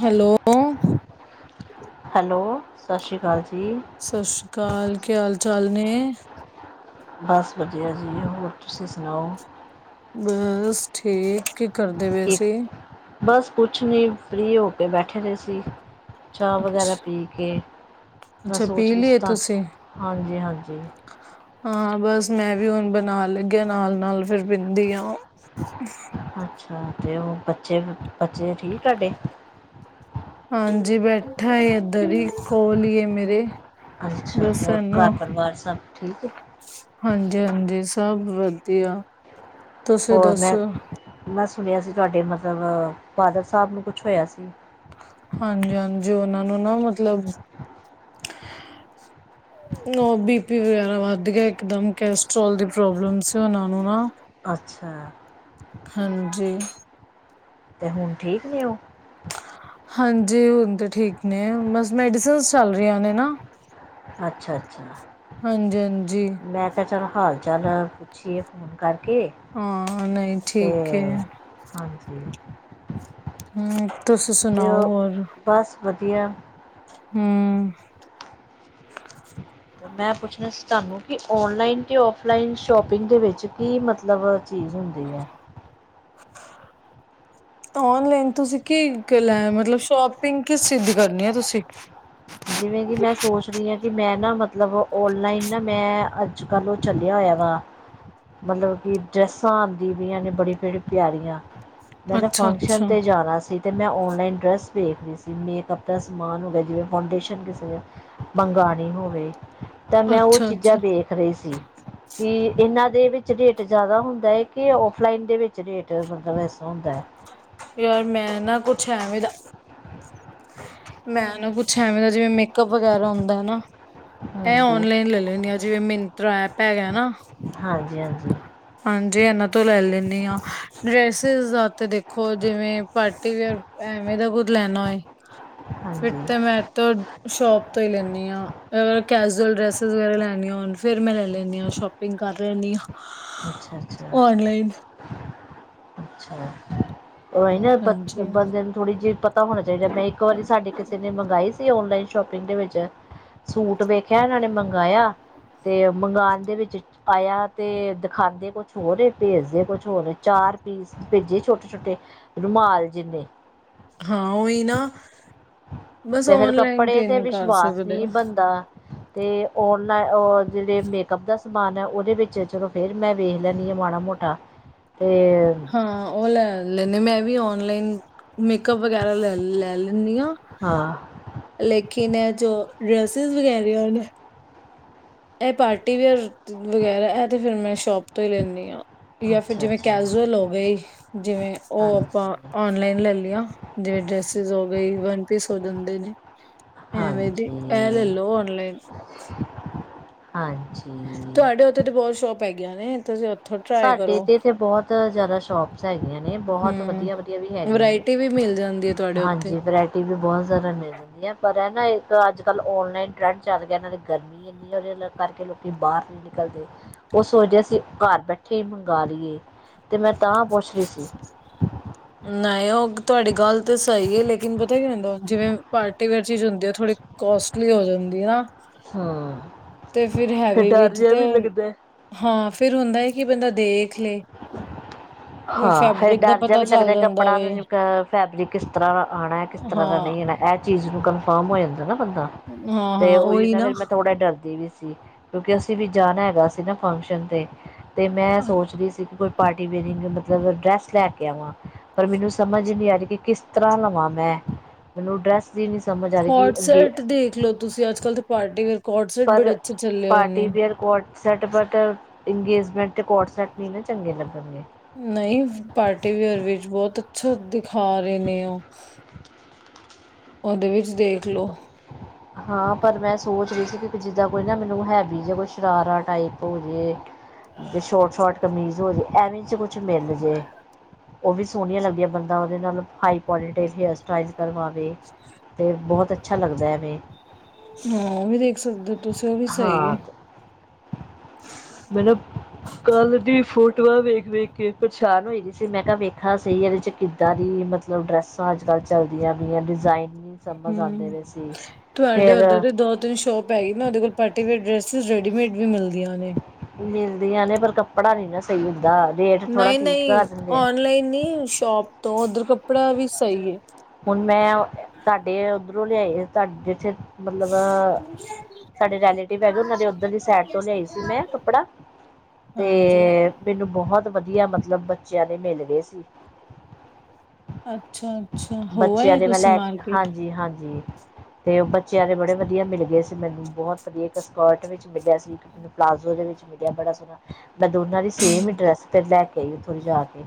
Hello. Hello, ਸਾ ਸ਼੍ਰੀ ਕਾਲ ਜੀ। ਸ ਸ਼੍ਰੀ ਕਾਲ, ਕੀ ਹਾਲ-ਚਾਲ ਨੇ? ਬਸ ਵਧੀਆ ਜੀ, ਹੋਰ ਤੁਸੀਂ ਸੁਣਾਓ? ਬਸ ਠੀਕ, ਕੀ ਕਰਦੇ ਪਏ ਕੀ ਸੀਂ? ਬਸ ਕੁਛ ਨੀ, ਫ੍ਰੀ ਹੋ ਕੇ ਬੈਠੇ ਦੇ ਸੀ। ਚਾਹ ਅੱਛਾ ਵਗੈਰਾ ਪੀ ਕੇ, ਮੈਂ ਅੱਛਾ ਸੋਚ ਪੀ ਰੀ ਸੀ ਲਈਏ ਤੁਸੀਂ ਤਾਨ--ਹਾਂਜੀ ਹਾਂਜੀ। ਹਾਂ, ਬਸ ਮੈਂ ਵੀ ਹੁਣ ਬਣਾਣ ਲੱਗੀ ਆ ਨਾਲ-ਨਾਲ ਫਿਰ ਪੀਂਦੀ ਆਂ। [inaudible] ਅੱਛਾ, ਤੇ ਓ ਬੱਚੇ, ਬੱਚੇ ਠੀਕ ਤਾਡੇ? ਹਾਂਜੀ, ਬੈਠਾ ਏ ਏਧਰ ਈ, ਕੋਲ ਈ ਏ ਮੇਰੇ। ਅੱਛਾ, ਬਸ ਹੋਰ ਇਹਨੂੰ ਘਰ-ਪਰਿਵਾਰ ਸਭ ਠੀਕ ਏ? ਹਾਂਜੀ ਹਾਂਜੀ, ਸਭ ਵਧੀਆ। ਤੁਸੀਂ ਹੋਰ ਮੈਂ ਦੱਸੋ ਮੈਂ ਸੁਣਿਆ ਸੀ ਤੁਐਡੇ ਮਤਲਬ ਫਾਦਰ ਸਾਬ ਨੂੰ ਕੁਛ ਹੋਇਆ ਸੀ। ਹਾਂਜੀ ਹਾਂਜੀ, ਓਨਾਂ ਨੂੰ ਨਾ ਮਤਲਬ [inaudible] ਨਾ ਬੀ ਪੀ ਵਗੈਰਾ ਵੱਧ ਗਿਆ ਇਕ ਦਮ, ਕੈਸਟਰ੍ਰੋਲ ਦੀ ਪ੍ਰੋਬਲਮ ਸੀ ਓਨਾਂ ਨੂੰ ਨਾ। ਅੱਛਾ। ਹਾਂਜੀ। ਤੇ ਹੁਣ ਠੀਕ ਨੇ ਓ? ਹਾਂਜੀ, ਹੁਣ ਤੇ ਠੀਕ ਨੇ ਬਸ ਮੈਡੀਸਨਸ ਚੱਲ ਰਈਆਂ ਨੇ ਨਾ। ਅੱਛਾ-ਅੱਛਾ। ਹਾਂਜੀ-ਹਾਂਜੀ। ਮੈਂ ਕੇਆ ਚਲ ਹਾਲ-ਚਾਲ ਪੁੱਛੀਏ ਫ਼ੋਨ ਕਰਕੇ। ਹਾਂ, ਨਈ ਤੇ ਠੀਕ ਏ। ਹਾਂਜੀ। ਹੂੰ, ਤੁਸੀ ਤੇ ਸੁਣਾਓ ਉਹ ਔਰ, ਬਸ ਵਧੀਆ ਹੂੰ। ਮੈਂ ਪੁੱਛਣਾ ਸੀ ਤਾਨੂੰ ਕਿ ਔਨਲਾਈਨ ਤੇ ਔਫਲਾਈਨ ਸ਼ੋਪਿੰਗ ਦੇ ਵੇਚ ਕੀ ਮਤਲਬ ਚੀਜ਼ ਹੁੰਦ ਦੀ ਐ। [inaudible] [inaudible] ਔਨਲਾਈਨ ਤੁਸੀਂ ਕੀ ਕਲੈ ਮਤਲਬ ਸ਼ੋਪਿੰਗ ਕਿਸ ਚੀਜ਼ ਦੀ ਕਰਨੀ ਏ ਤੁਸੀਂ? ਜਿਵੇਂ ਕਿ ਮੈਂ ਸੋਚ ਰੀ ਆਂ ਕਿ ਮੈਂ ਨਾ ਮਤਲਬ ਔਨਲਾਈਨ ਨਾ ਮੈਂ ਅ ਅੱਜ-ਕੱਲ ਓ ਚੱਲਿਆ ਹੋਇਆ ਵਾ ਮਤਲਬ ਕਿ ਡਰੈਸਾਂ ਆਂਦੀ ਪਈਆਂ ਨੇ ਬੜੀ-ਬੜੀ ਪਿਆਰੀਆਂ। ਮੈ ਨਾ ਫੰਕਸ਼ਨ ਅੱਛਾ-ਅੱਛਾ, ਤੇ ਜਾਨਾ ਸੀ। ਤੇ ਮੈਂ ਔਨਲਾਈਨ ਡਰੈੱਸ ਦੇਖ ਰੀ ਸੀ। ਮੇਕਅੱਪ ਦਾ ਸਮਾਨ ਹੋ ਗਿਆ ਜਿਵੇਂ ਫੋਡੇਸ਼ਨ ਕਿਸੇ ਮੰਗਾਣੀ ਹੋਵੇ ਤੇ ਮੈਂ ਓ ਚੀਜ਼ਾਂ ਅੱਛਾ-ਅੱਛਾ ਦੇਖ ਰੀ ਸੀ। ਕਿ ਏਨਾਂ ਦੇ ਵਿੱਚ ਰੇਟ ਜਾਦਾ ਹੁੰਦਾ ਏ, ਕੇ ਔਫਲਾਈਨ ਦੇ ਵਿੱਚ ਰੇਟ ਮਤਲਬ ਐਸਤਰਾ ਹੁੰਦਾ। ਯਾਰ ਮੈਂ ਨਾ ਕੁੱਛ ਐਵੇਂ ਦਾ ਮੈਂ ਨਾ ਕੁਛ ਐਵੇਂ ਦਾ ਜਿਵੇਂ ਮੇਕਅਪ ਵਗੈਰਾ ਹੁੰਦਾ ਐ ਨਾ ਐ ਹਾਂਜੀ। ਓਨਲਾਈਨ ਲੈ ਲੈਨੀ ਆ ਜਿਵੇਂ ਮਿੰਨਤਰਾ ਐਪ ਹੈਗਾ ਨਾ ਹਾਂਜੀ-ਹਾਂਜੀ। ਹਾਂਜੀ ਐਨਾਂ ਤੋਂ ਲੈ ਲੇਣੀ ਆ। ਡਰੈਸਿਸ ਦਾ ਤੇ ਦੇਖੋ ਜਿਵੇਂ ਪਾਰਟੀ ਵੀਅਰ ਐਵੇਂ ਦਾ ਕੁੱਝ ਲੈਣਾ ਹੋਏ- ਫਿਰ ਹਾਂਜੀ ਤੇ ਮੈ ਤੋ ਸ਼ੋਪ ਤੋਂ ਈ ਲੈਨੀ ਆ। ਆ ਕੈਜੂਅਲ ਡਰੈਸਿਸ ਵਗੈਰਾ ਲੈਣੀਆ ਹੋਣ, ਫਿਰ ਮੈਂ ਲੈ ਲੈਂਨੀ ਆ ਸ਼ੋਪਿੰਗ ਕਰ ਲੈਨੀ ਆ। ਅੱਛਾ-ਅੱਛਾ, ਅੱਛਾ। ਰੋਵਾਈ ਨਾ ਬੰ ਹਾਂਜੀ ਬੰਦੇ ਨੂੰ ਥੋੜ੍ਹੀ ਜੇਹੀ ਪਤਾ ਹੋਣਾ ਚਾਇਦਾ, ਮੈਂ ਇੱਕ ਵਾਰੀ ਸਾਡੇ ਕਿਸੇ ਨੇ ਮੰਗਾਈ ਸੀ, ਔਨਲਾਈਨ ਸ਼ੋਪਿੰਗ ਦੇ ਵਿੱਚ ਸੂਟ ਵੇਖਿਆ ਏਨਾਂ ਨੇ ਮੰਗਾਯਾ, ਤੇ ਮੰਗਾਣ ਦੇ ਵਿੱਚ ਆਯਾ ਤੇ ਖਾਂਦੇ ਕੁਛ ਹੋਰ ਏ ਪੇਜਦੇ ਕੁਛ ਹੋਰ ਏ ਚਾਰ ਪੀਸ ਪੇਜੇ ਛੋਟੇ-ਛੋਟੇ। ਰੁਮਾਲ ਜਿੰਨੇ। ਹਾਂ ਓਹ ਨਾ ਬਸ ਤੇ ਫੇਰ ਔਨਲਾਈਨ ਕੱਪੜੇ ਤੇ ਨਹੀਂ ਕਰ ਵਿਸ਼ਵਾਸ ਸਕਦੇ ਨਈ ਬਣਦਾ। ਤੇ ਔਨਲਾ, ਅ ਜੇੜੇ ਮੇਕਅੱਪ ਦਾ ਸਮਾਨ ਏ, ਓਦੇ ਵਿੱਚ ਚਲੋ ਫਿਰ ਮੈਂ ਵੇਖ ਲੈਂਨੀ ਆ ਮਾੜਾ-ਮੋ ਟਾ ਤੇ ਹਾਂ ਓ ਲੈ ਲੈਂਨੇ, ਮੈਂ ਵੀ ਔਨਲਾਈਨ ਮੇਕਅਪ ਵਗੈਰਾ ਲੈ ਲੈਂਨੀ ਆ। ਹਾਂ। ਲੇਕਿਨ ਐ ਜੋ, ਡਰੈਸਿਸ ਵਗੈਰਿਆ ਨੇ ਐ ਪਾਰਟੀ ਵਿਅਰ ਵਗੈਰਾ, ਐ ਤੇ ਫਿਰ ਮੈਂ ਸ਼ੋਪ ਤੋਂ ਈ ਲੇਨੀ ਆ। ਯਾਂ ਫਿਰ ਅੱਛਾ ਜਿਵੇਂ ਅੱਛਾ ਕੈਜੂਅਲ ਹੋ ਗਈ, ਜਿਵੇਂ ਓ ਅਪਾਂ ਹਾਂਜੀ ਔਨਲਾਈਨ ਲੈ ਲਯਾ, ਜਿਵੇਂ ਡਰੈਸਿਸ ਹੋ ਗਈ ਵਨਪੀਸ ਹੋ ਜਂਦੇ ਨੇ। ਐਵੇ ਦੀ, ਇਹ ਹਾਂਜੀ ਲੇਲੋ ਔਨਲਾਈਨ। ਹਾਂਜੀ। ਤੁਹਾਡੇ ਉੱਥੇ ਤੇ ਬਹੁਤ ਸ਼ੋਪ ਹੈਗੀਆਂ ਨੇ। ਤੁਸੀਂ ਉ ਸਾਡੇ ਤੇ-ਤੇ ਬਹੁਤ ਜ਼ਿਆਦਾ ਸ਼ੋਪਸ ਹੈਗੀਆਂ ਨੇ। ਬਹੁਤ ਹਮ ਵਧੀਆ-ਵਧੀਆ ਵੀ ਹੈਗ ਵਰਾਇਟੀ ਵੀ ਮਿਲ ਜਾਂਦੀ ਏ ਤੁਆਡੇ ਉੱਥੇ। ਟੀ ਵੀ ਬਹੁਤ ਜ਼ਿਆਦਾ ਮਿਲ ਜਾਂਦੀ ਐ। ਪਰ ਐ ਨਾ ਇੱਕ ਅੱਜ-ਕੱਲ੍ਹ ਔਨਲਾਈਨ ਟਰੈਂਡ ਚੱਲ ਗਿਆ। ਨਾਲ਼ੇ ਗਰਮੀ ਗਿੱਲੇ ਜੇ ਕਰਕੇ ਲੋਕੀਂ ਬਾਹਰ ਨੀ ਨਿਕਲਦੇ। ਉਹ ਸੋਚਦੇ ਅਸੀਂ ਘਰ ਬੈ ਕਿ ਮੰਗਾ ਲੀਏ ਤੇ ਮੈਂ ਤਾਂ ਪੁੱਛਦੀ ਸੀ। ਨ‌ਏ, ਉਹ ਤੁਆਡੀ ਗੱਲ ਤੇ ਸਹੀ ਐ। ਲੇਕਿਨ ਪਤਾ ਕੀ ਹੁੰਦਾ ਜਿਵੇਂ ਪਾਰਟੀਵੇੇਅਰ ਚੀਜ਼ ਹੁੰਦੀ। ਉਹ ਥੋੜ੍ਹੀ ਕੋਸਟਲੀ ਹੋ ਜਾਂਦੀ ਆ। ਹਾਂ। ਤੇ ਫਿਰ ਹੈਵੀ ਵਿੱਚ ਤੇ। ਹਾਂ, ਫਿਰ ਹੁੰਦੈਂ ਕਿ ਬੰਦਾ ਦੇਖ ਲੇ। ਫਿਰ ਹਾਂ, ਫੇਰ ਫੈਬਰਿਕ ਦਾ ਡਰ ਜਿਹਾ ਪਤਾ ਵੀ ਚੱਲ ਲੱਗਦਾ। ਜਾਂਦਾ ਕੱਪੜਾ ਵੇ ਫੈਬਰਿਕ, ਕਿਸ ਤਰ੍ਹਾਂ ਦਾ ਆਣਾ, ਕਿਸ ਤਰ੍ਹਾਂ ਦਾ ਹਾਂ ਨਹੀਂ ਆਣਾ। ਇਹ ਚੀਜ਼ ਨੂੰ ਕਨਫਰਮ ਹੋ ਜਾਂਦਾ ਨਾ ਬੰਦਾ। ਤੇ ਉਹੀ ਨਾ, ਫੇਰ ਮੈਂ ਥੋੜਾ ਡਰਦੀ ਵੀ ਸੀ। ਕਿਉਂਕਿ, ਅਸੀਂ ਵੀ ਜਾਣਾ ਹੈਗਾ ਸੀ ਨਾ, ਫੰਕਸ਼ਨ ਤੇ। ਤੇ ਮੈਂ ਸੋਚਦੀ ਸੀ ਕਿ, ਕੋਈ ਪਾਰਟੀਵੇਰਿਗ ਕਿ ਮਤਲਬ, ਡਰੈੱਸ ਲੈ ਕੇ ਆਵਾਂ। ਪਰ ਮੈਨੂੰ ਸਮਝ ਨਹੀਂ ਆ ਰਹੀ ਕਿ, ਕਿਸ ਤਰ੍ਹਾਂ ਲਵਾਂ ਮੈਂ। ਮੈਨੂੰ ਡਰੈੱਸ ਦੀ ਨੀ ਕੋਟਸੈਟ ਦੇਖ ਲੋ ਤੁਸੀਂ। ਅੱਜ-ਕੱਲ੍ਹ ਤੇ ਪਾਰਟੀ ਵੇਅਰ ਕੋਟਸੈਟ ਬੜੇ ਅੱਛੇ ਚੱਲੇ ਹੋਏ ਨੇ। ਕੋੈਟਸੈਟ ਬਟ, ਇੰਗੇਜਮੈਂਟ ਤੇ ਕੋਟਸੈਟ ਨੀ ਨਾ ਚੰਗੇ ਲੱਗਣਗੇ। ਨਹੀਂ, ਪਾਰਟੀ ਵੇਅਰ ਵਿੱਚ ਬਹੁਤ ਅੱਛਾ ਦਿਖਾ ਰਹੇ ਨੇ ਉਹ। ਉਹਦੇ ਵਿੱਚ ਦੇਖ ਲੋ। [inaudible] ਹਾਂ, ਪਰ ਮੈਂ ਸੋਚ ਰਹੀ ਸੀ ਕਿ ਜਿੱਦਾਂ ਕੋਈ ਨਾ ਮੈਨੂੰ ਹੈਵੀ ਜਿਹਾ, ਕੋਈ ਸ਼ਰਾਰਾ ਟਾਈਪ ਹੋਜੇ। ਤੇ ਸ਼ੋਟ-ਸ਼ੋਟ ਕਮੀਜ਼ ਹੋਜੇ। ਐਵੇਂ 'ਚ ਕੁਛ ਮਿਲ ਜੇ। ਉਹ ਵੀ ਸੋਹਨੀਆਂ ਲੱਗਦੀਆਂ। ਬੰਦਾ ਉਹਦੇ ਨਾਲ ਹਾਈ ਪੋਨੀਟੇਜ ਹੇਅਰ ਸਟਾਈਸ ਕਰਵਾਵੇ। ਫੇਰ, ਬਹੁਤ ਅੱਛਾ ਲੱਗਦਾ ਐਵੇ। ਹਾਂ, ਉਹ ਵੀ ਦੇਖ ਸਕਦੇ ਓ। ਹਾਂ ਤੇ, ਮੈਨੂੰ ਕੱਲ੍ਹ ਦੀ ਫੋਟੋਆਂ ਵੇਖ-ਵੇਖ ਕੇ ਪਰੇਸ਼ਾਨ ਹੋਈ ਦੀ ਸੀ। ਮੈਂ ਕਿਹਾ ਵੇਖਾ ਸ‌ਈ, ਇਹਦੇ 'ਚ ਕਿੱਦਾਂ ਦੀ ਮਤ ਮਤਲਬ, ਡਰੈੱਸਾਂ ਅਜ-ਕੱਲ੍ਹ ਚੱਲਦੀਆਂ ਪਈਆਂ। ਡਿਜ਼ਾਇਨ ਨਹੀਂ ਸਮਝ ਆਉਂਦੇ ਹੁੰ, ਪਏ ਸੀ ਤੁਹਾਡੇ ਫਿਰ ਉੱਧਰ ਦੇ ਦੋ-ਤਿੰਨ ਸ਼ੋਪ ਭਾਈ ਨਾ, ਉਦੇ ਕੋਲ ਪਾਰਟੀਵੇਅਰ ਡਰੈਸਿਸ ਰੈਡੀਮੇਡ ਵੀ ਮਿਲਦਿਆਂ ਨੇ। ਮਿਲਦੀਆਂ ਨੇ ਪਰ, ਕੱਪੜਾ ਨੀ ਨਾ ਸਹੀ ਹੁੰਦਾ ਦਾ ਦੇ ਨ‌ਈਂ-ਨ‌ਈਂ, ਔਨਲਾਈਨ ਨੀ ਸ਼ੋਪ ਤੋਂ। ਓਧਰ ਕੱਪੜਾ ਵੀ ਸਹੀ ਏ। ਹੁਣ ਮੈਂ ਤੁਹਾਡੇ ਉੱਧਰੋਂ ਲਿਆਏ। ਤੁਹਾਡੇ ਜਿੱਥੇ ਮਲਬ, ਸਾਡੇ ਰੈਲੇਟਿਵ ਹੈਗੇ। ਉਹਨਾਂ ਦੇ ਉੱਧਰ ਦੀ ਸੈਡ ਤੋਂ ਲਿਆਈ ਸੀ ਮੈਂ, ਕੱਪੜਾ। ਹਾਂਜੀ ਤੇ ਮਿਨੂੰ ਬਹੁਤ ਵਧੀਆ ਮਤਲਬ, ਬੱਚਿਆਂ ਦੇ ਮਿਲਗੇ ਸੀ। ਅੱਛਾ। ਅੱਛਾ ਹੋ ਬੱਚਿਆਂ ਆਏ ਦੇ ਮੈਂ ਤੁਸੀਂ ਲੈ ਕੇ। ਮਾਰਕੀਟ ਹਾਂਜੀ-ਹਾਂਜੀ। ਤੇ ਉਹ ਬੱਚਿਆਂ ਦੇ ਬੜੇ ਵਧੀਆ ਮਿਲਗੇ ਸੀ ਮੈਨੂੰ। ਬਹੁਤ ਵਧੀਆ, ਇੱਕ ਸਕਰਟ ਵਿੱਚ ਮਿਲਿਆ ਸੀ। ਇੱਕ ਪਲਾਜ਼ੋ ਦੇ ਵਿੱਚ ਮਿਲਿਆ, ਬੜਾ ਸੋਹਣਾ ਮੈਂ ਦੋਨਾਂ ਦੀ ਸੇਮ ਈ ਡਰੈਸ, ਫਿਰ ਲੈ ਕੇ ਆਈ ਉੱਥੋਂ ਜਾ ਕੇ।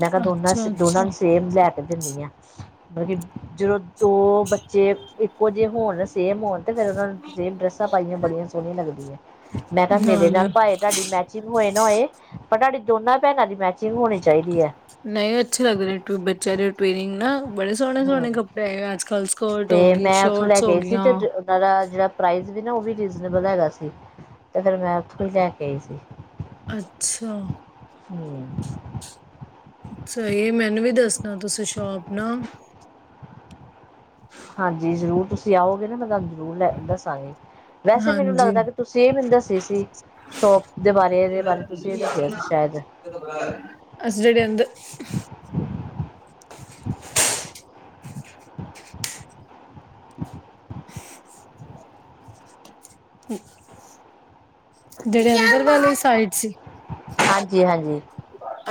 ਮੈਂ ਕਿਹਾ ਦੋਨਾਂ ਸ, ਅੱਛਾ ਦੋਨਾਂ ਅੱਛਾ ਨੂੰ ਸੇਮ ਲੈ ਕੇ ਦਿੰਨੀ ਆ। ਮੈ ਕਿਹਾ ਜਦੋਂ ਦੋ ਬੱਚੇ ਇੱਕੋ ਜਿਹੇ ਹੋਣ ਨਾ, ਸੇਮ ਹੋਣ ਤੇ ਫਿਰ ਉਹਨਾਂ ਨੂੰ ਸੇਮ ਡਰੈੱਸਾਂ ਪਾਈਆਂ, ਬੜੀਆਂ ਸੋਹਣੀਆਂ ਲੱਗਦੀਆਂ। ਮੈਂ ਕਿਹਾ, ਮੇਰੇ ਨਾਲੇ ਨਾਲ ਭਾਏ ਤੁਹਾਡੀ ਮੈਚਿੰਗ ਹੋਏ ਨਾ ਹੋਏ, ਪਰ ਤੁਹਾਡੀ ਦੋਨਾਂ ਭੈਣਾਂ ਦੀ ਮੈਚਿੰਗ ਹੋਣੀ ਚਾਹੀਦੀ ਐ। ਨਹੀਂ ਅੱਛੇ ਲਗਦੇ, ਬੱਚਿਆ ਦੇ ਟਵਿਨਿੰਗ ਨਾ। ਬੜੇ ਹੂੰ, ਸੋਹਣੇ-ਸੋਹਣੇ ਕੱਪੜੇ ਆਏ ਆ ਅੱਜ-ਕੱਲ, ਸ੍ਕਰਟ ਹੋ ਗਈ ਸ਼ਰਟਸ ਹੋਗੀਆਂ। ਉਹ ਦਾ ਜਿਹੜਾ ਪ੍ਰਾਈਜ਼ ਵੀ ਨਾ, ਉਹ ਵੀ ਰੀਜ਼ਨੇਬਲ ਹੈਗਾ ਸੀ ਤੇ ਫਿਰ ਮੈਂ ਉੱਥੋਂ ਹੀ ਲੈਕੇ ਆਈ ਸੀ। ਅੱਛਾ। ਹੂੰ ਸਹੀ ਏ, ਮੈਨੂੰ ਵੀ ਦੱਸਣਾ ਤੁਸੀਂ ਸ਼ੋਪ ਨਾ। ਹਾਂਜੀ ਜ਼ਰੂਰ, ਤੁਸੀ ਆਓਗੇ ਨਾ, ਮੈਂ ਤੁਹਾਨੂੰ ਜ਼ਰੂਰ ਲੈ ਦੱਸਾਂਗੀ। ਵੈਸੇ ਈ ਮੈਨੂੰ ਹਾਂਜੀ ਲੱਗਦਾ, ਕਿ ਤੁਸੀ ਮੈਨੂੰ ਦੱਸੇ ਸੀ। ਸ਼ੌਪ ਦੇ ਬਾਰੇ ਏਦੇ ਬਾਰੇ ਤੁਸੀਂ ਓ ਦੱਸਿਆ ਸੀ, ਸ਼ਾਇਦ। ਅਸੀ ਜਿਹੜੇ ਅੰਦ [inaudible] ਜਿਹੜੇ ਅੰਦਰ ਵਾਲੇ ਸਾਈਡ ਸੀ? ਹਾਂਜੀ-ਹਾਂਜੀ।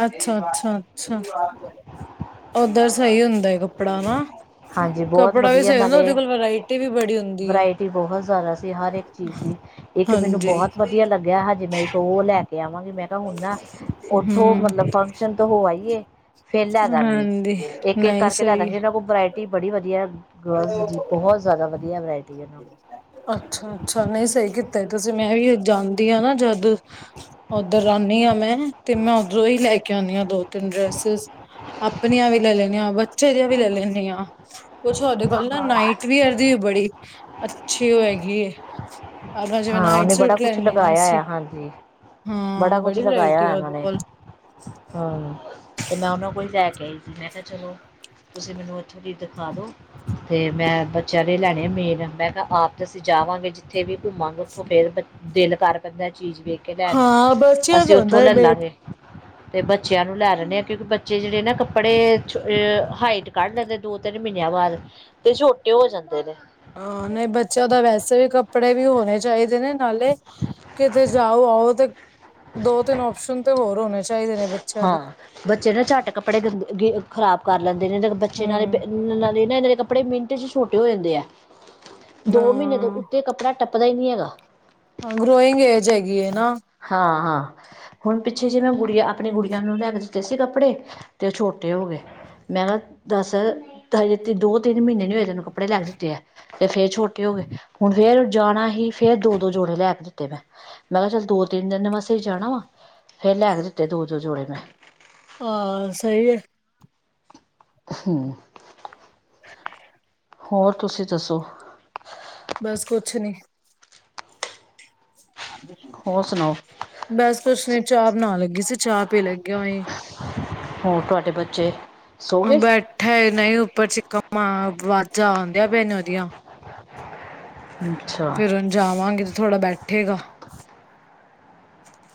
ਅੱਛਾ, ਅੱਛਾ, ਅੱਛਾ, ਓਧਰ ਸਹੀ ਹੁੰਦਾ ਕੱਪੜਾ ਹਨਾ? ਹਾਂਜੀ ਬਹੁਤ ਵਧੀਆ ਨਾਲੇ, ਵੀ ਬੜੀ ਹੁੰਦੀ ਹੈ। ਵਰਾਇਟੀ ਬਹੁਤ ਜ਼ਿਆਦਾ ਸੀ ਹਰ ਇੱਕ ਚੀਜ਼ ਸੀ। ਇੱਕ ਮੈਨੂੰ ਹਾਂਜੀ। ਬਹੁਤ ਵਧੀਆ ਲੱਗਿਆ, ਹਜੇ ਮੈਂ ਇੱਕ ਓ ਲੈਕੇ ਆਵਾਂਗੀ, ਮੈਂ ਕਾ ਹੁਣ ਨਾ ਥੋ ਹਮ ਮਤਲਬ, ਫੰਕਸ਼ਨ ਤੋ ਹੋ ਆਈਏ। ਫਿਰ ਲੈ ਹਾਂਦੀ, ਨਹੀਂ ਸਹੀ। ਓਨਾ ਕੋਲ ਵਰਾਇਟੀ ਬੜੀ ਵਧੀਆ, ਗਰਲਜ਼ ਦੀ ਬਹੁਤ ਜ਼ਿਆਦਾ ਵਧੀਆ ਵਰਾਇਟੀ। ਉਹਨਾਂ ਕੋਲ ਅੱਛਾ-ਅੱਛਾ, ਨਹੀਂ ਸਹੀ ਕੀਤਾ ਤੁਸੀਂ ਮੈਂ ਵੀ ਜਾਂਦੀ ਆ ਨਾ ਜਦ ਉੱਧਰ ਆਂਨੀ ਆ ਮੈਂ, ਤੇ ਮੈਂ ਉੱਧਰੋਂ ਹੀ ਲੈਕੇ ਆਉਂਨੀ ਆ ਦੋ ਤਿੰਨ ਡ੍ਰੈਸੇਸ ਆਪਣੀਆਂ ਵੀ ਲੈ ਲੈਂਨੀ ਆ, ਬੱਚੇ ਦੀਆਂ ਵੀ ਲੈ ਲੈਂਨੀ ਆ। ਕੁਛ ਔਦੇ ਕੋਲ ਨਾ ਨਾਈਟ ਵੀਅਰ ਦੀ ਬੜੀ, ਅੱਛੀ ਹੋਏਗੀ। ਆਪਾਂ ਜਿਵੇਂ ਹਾਂ ਨਾਈਟ ਉਹਨੇ ਬੜਾ ਸੁਟ ਕੁਛ ਲੈਂਨੇ ਆ, ਲਗਾਇਆ ਅਸੀ। ਹਾਂਜੀ ਹਾਂ, ਬੜਾ ਕੁਛ ਬੜੀ ਵਰਾਇਟੀ ਏ, ਲਗਾਇਆ ਇਹਨਾਂ ਉਹਦੇ ਨੇ ਕੋਲ। ਹਾਂ, ਤੇ ਮੈਂ ਉਹਨਾਂ ਕੋਲ ਲੈਕੇ ਆਈ ਸੀ, ਮੈਂ ਕਿਹਾ ਚਲੋ ਤੁਸੀਂ ਮੈਨੂੰ ਇੱਥੋਂ ਦੀ ਦਿਖਾਦੋ ਤੇ, ਮੈਂ ਬੱਚਿਆਂ ਦੇ ਲੈਣੇ ਆ ਮੇਨ, ਮੈਂ ਕਿਹਾ ਆਪ ਤੇ ਅਸੀਂ ਜਾਵਾਂਗੇ ਜਿੱਥੇ ਵੀ ਘੁੰਮਾਂਗੇ ਉੱਥੋਂ ਫਿਰ, ਦਿਲ ਕਰ ਪੈਂਦਾ ਚੀਜ਼ ਵੇਖਕੇ ਲੈਣ ਹਾਂ ਨੂੰ, ਬੱਚਿਆਂ ਅਸੀਂ ਦਾ ਉੱਥੋਂ ਹੁੰਦਾ ਲੈ ਬੇ ਲਾਂਗੇ। [inaudible] ਤੇ ਬੱਚਿਆਂ ਨੂੰ ਲੈ ਦੇਂਨੇ ਆ, ਕਿਉਂਕਿ ਬੱਚੇ ਜਿਹੜੇ ਨਾ ਕੱਪੜੇ'ਚ ਹਾਈਟ ਕੱਢ ਲੈਂਦੇ ਆ ਦੋ ਤਿੰਨ ਮ੍ਹੀਨੀਆਂ ਬਾਅਦ, ਤੇ ਛੋਟੇ ਹੋ ਜਾਂਦੇ ਨੇ। ਹਾਂ-ਨਹੀਂ, ਬੱਚਿਆਂ ਦਾ ਵੈਸੇ ਵੀ ਕੱਪੜੇ ਵੀ ਹੋਣੇ ਚਾਹੀਦੇ ਨੇ। ਨਾਲੇ, ਕਿਤੇ ਜਾਓ-ਆਓ ਤੇ ਦੋ-ਤਿੰਨ ਔਪਸ਼ਨ ਤੇ ਹੋਰ ਹੋਣੇ ਚਾਹੀਦੇ ਨੇ, ਬੱਚਿਆ ਦੇ। ਹਾਂ ਬੱਚੇ ਨਾ ਝੱਟ ਕੱਪੜੇ ਗੰਦੇ ਖ਼ਰਾਬ ਕਰ ਲੈਂਦੇ ਨੇ, ਦੇਖ ਬੱਚੇ ਨਾਲੇ ਬੇ ਹਮ ਨਾਲੇ ਇੰਨਾ ਦੇ ਕੱਪੜੇ ਮਿੰਟ'ਚ ਛੋਟੇ ਹੋ ਜਾਂਦੇ ਆ, ਦੋ ਮਹੀਨੇ ਤੋਂ ਉ ਹਾਂ ਤੇ ਕੱਪੜਾ ਟੱਪਦਾ ਈ ਨਹੀਂ ਹੈਗਾ। ਹਾਂ, ਗ੍ਰੋਈੰਗ ਏਜ ਹੈਗੀਏ ਨਾ। ਹਾਂ-ਹਾਂ। ਹੁਣ ਪਿੱਛੇ ਜੇ ਮੈਂ ਗੁੜੀਆ, ਆਪਣੀ ਗੁੜੀਆਂ ਨੂੰ ਲੈਕੇ ਦਿੱਤੇ ਸੀ ਕੱਪੜੇ, ਤੇ ਉਹ ਛੋਟੇ ਹੋ ਗਏ। ਮੈਂ ਕਿਹਾ, ਦੱਸ, ਹਜੇ ਦੋ-ਤਿੰਨ ਮਹੀਨੇ ਨੀ ਹੋਏ ਤੈਨੂੰ ਕੱਪੜੇ ਲੈਕੇ ਦਿੱਤੇ ਐ ਤੇ ਫੇਰ ਛੋਟੇ ਹੋਗੇ ਹੁਣ ਫੇਰ ਜਾਣਾ ਹੀ ਫੇਰ ਦੋ-ਦੋ ਜੋੜੇ ਲੈਕੇ ਦਿੱਤੇ ਮੈ ਮੈਂ'ਕਿਅਤ ਚੱਲ ਦੋ ਤਿੰਨ ਦਿਨ ਵਾਸਤੇ ਈ ਜਾਣਾ ਵਾ ਫੇਰ ਲੈਕੇ ਦਿੱਤੇ ਦੋ-ਦੋ ਜੋੜੇ ਮੈਂ। ਆ ਸਈ ਐ। ਹੂੰ। [inaudible] ਹੋਰ ਤੁਸੀਂ ਦੱਸੋ? ਬਸ ਕੁਛ ਨੀ। ਹੋਰ ਸੁਣਾਓ? ਬਸ ਕੁਛ ਨੀ ਚਾਹ ਬਣਾਨ ਲੱਗੀ ਸੀ ਚਾਹ ਪੀ ਲੱਗੀਂ [unintelligible] ਹੋਰ ਤੁਹਾਡੇ ਬੱਚੇ? ਸੋ ਗਏ ਬੈਠਾ ਏ ਜਈ ਉੱਪਰ ਚੀਕਾ ਮਾ ਵਾਜਾਂ ਆਂਦੀਆ ਪੀਆ ਨੇ ਓਦੀਆਂ। ਅੱਛਾ ਫਿਰਨ ਜਾਵਾਂਗੇ ਤੇ ਥੋੜਾ ਬੈਠੇਗਾ।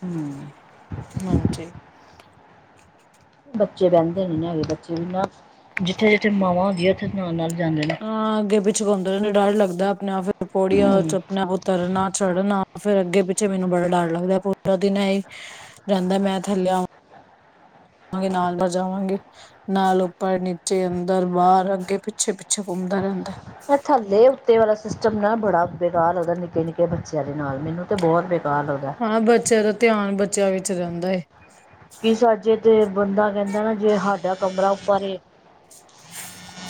ਹੂੰ। ਹਾਂਜੀ। ਬੱਚੇ ਬੈਂਦੇ ਨੀ ਨਾ ਹੈਗੇ ਬੱਚੇ ਵੀ ਨਾ ਜਿੱਥੇ-ਜਿੱਥੇ ਮਾਵਾ ਹੁੰਦੀਆਂ ਉੱਥੇ ਨਾਲ-ਨਾਲ ਜਾਂਦੇ ਨੇ। ਹਾਂ ਅੱਗੇ-ਪਿੱਛੇ ਘੁੰਮਦੇ ਨੇ ਡਰ ਈ ਲੱਗਦਾ ਆਪਣੇ-ਆਪ ਪੌੜੀਆਂ ਚ ਆਪਣੇ ਉ ਤਰਨਾ ਚੜ੍ਹਨਾ ਫਿਰ ਅੱਗੇ-ਪਿੱਛੇ ਮੈਨੂੰ ਬੜਾ ਡਰ ਲੱਗਦਾ ਪੂਰਾ ਦਿਨ ਐਈ ਰੇਂਦਾ ਮੈਂ ਥੱਲੇ ਆ ਜਾਵਾਂਗੇ, ਨਾਲ ਬ ਜਾਵਾਂਗੇ ਨਾਲ ਉੱਪਰ-ਨੀਚੇ, ਅੰਦਰ-ਬਾਰ ਅੱਗੇ-ਪੀ ਪਿੱਛੇ-ਪਿੱਛੇ ਘੁੰਮਦਾ ਰੇਂਦਾ। ਥੱਲੇ-ਉੱਤੇ ਵਾਲਾ ਸਿਸਟਮ ਨਾ ਬੜਾ ਬੇਕਾਰ ਲੱਗਦਾ ਨਿੱਕੇ-ਨਿੱਕੇ ਬੱਚਿਆਂ ਦੇ ਨਾਲ ਮੈਨੂੰ ਤੇ ਬੋਤ ਬੇਕਾਰ ਲੱਗਦੈ। ਹਾਂ ਬੱਚਿਆਂ ਦਾ ਧਿਆਨ ਬੱਚਿਆਂ ਵਿੱਚ ਜਾਂਦਾ ਏ। ਕੀ ਸਾਜੇ ਤੇ ਬੰਦਾ ਕੈਂਦਾ ਨਾ ਜੇ ਹਾਡਾ ਕਮਰਾ ਉੱਪਰ ਏ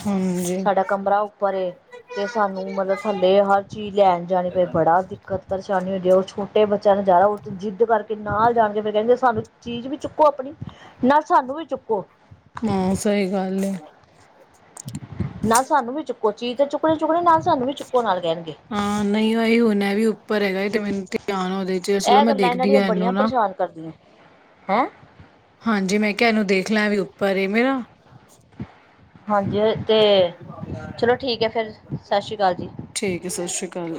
ਹੂੰ। ਸਾਡਾ ਕਮਰਾ ਉੱਪਰ ਏ ਤੇ ਸਾਨੂੰ ਮਤਲਬ ਥੱਲੇ ਹਰ ਚੀਜ਼ ਲੈਣ ਜਾਣੀ ਪਏ ਬੜਾ ਦੀ ਕਰ ਪਰੇਸ਼ਾਨੀ ਹੁੰਦੀ ਆ ਓ ਛੋਟੇ ਬੱਚਿਆਂ ਨੂੰ ਜਾਦਾ ਓ ਜਿੱਦ ਕਰਕੇ ਨਾਲ ਜਾਣਕੇ ਫਿਰ ਕੈਨਗੇ ਸਾਨੂੰ ਚੀਜ਼ ਵੀ ਚੁੱਕੋ ਆਪਣੀ ਨਾਲ ਸਾਨੂੰ ਵੀ ਚੁੱਕੋ। ਐ ਸਈ ਗੱਲ ਏ। [inaudible] ਨਾ ਸਾਨੂੰ ਵੀ ਚੁੱਕੋ ਚੀਜ਼ ਤਾਂ ਚੁੱਕਣੀ- ਚੁੱਕਣੀ ਨਾਲ ਸਾਨੂੰ ਵੀ ਚੁੱਕੋ ਨਾਲ ਕੈਣਗੇ। ਈ ਓਨਾਂ ਵੀ ਉ ਉੱਪਰ ਹੈਗਾ ਏ ਤੇ ਮੈਨੂੰ ਧਿਆਨ ਓਦੇ ਚਲੋ ਮੈਂ ਦੇਖਦੀ ਆ ਬੜੀਆਂ ਐਨੂੰ ਨਾ। ਪਰੇਸ਼ਾਨ ਕਰ ਦੀਆਂ ਹੈਂ! ਹਾਂਜੀ ਮੈਂ ਕਿਆ ਏਨੂੰ ਦੇਖ ਲੈ ਵੀ ਉੱਪਰ ਐ ਮੇਰਾ। ਹਾਂਜੀ ਤੇ ਚਲੋ ਠੀਕ ਐ ਫਿਰ ਸਸ ਸ਼੍ਰੀ ਕਾਲ ਜੀ। ਠੀਕ ਐ ਸਸ ਸ੍ਰੀ ਅਕਾਲ।